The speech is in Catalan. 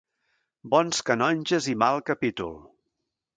Bons canonges i mal capítol.